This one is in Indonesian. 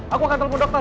aku akan telepon dokter